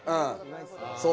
そう。